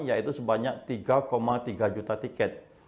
yaitu sebanyak tiga tiga juta tiket